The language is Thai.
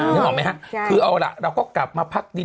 นึกออกไหมฮะคือเอาล่ะเราก็กลับมาพักดี